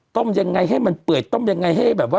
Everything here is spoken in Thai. ต้มยังไงให้มันเปื่อยต้มยังไงให้แบบว่า